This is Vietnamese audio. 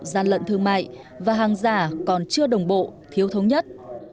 gian lận thương mại và hàng giả còn chưa đồng bộ thiếu thống nhất